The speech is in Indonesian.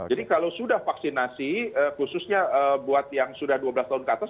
jadi kalau sudah vaksinasi khususnya buat yang sudah dua belas tahun ke atas